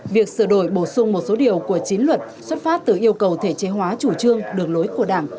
việc sửa đổi bổ sung một số điều của chính luật xuất phát từ yêu cầu thể chế hóa chủ trương đường lối của đảng